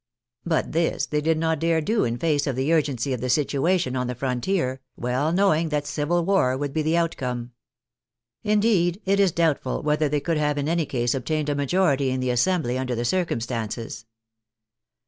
But this they did not dare do in face of the urgency of the situation on the frontier, well knowing that civil war would be the out come. Indeed, it is doubtful whether they could have in 63 64 THE FRENCH REVOLUTION any case obtained a majority in the Assembly under the circumstances.